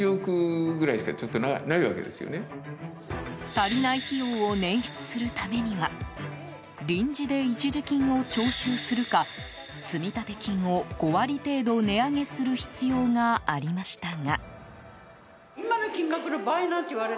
足りない費用を捻出するためには臨時で一時金を徴収するか積立金を５割程度値上げする必要がありましたが。